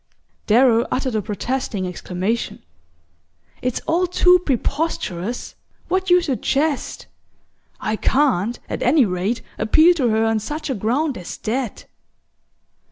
Darrow uttered a protesting exclamation. "It's all too preposterous what you suggest! I can't, at any rate, appeal to her on such a ground as that!"